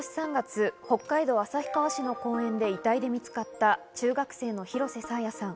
今年３月、北海道旭川市の公園で遺体で見つかった中学生の廣瀬爽彩さん。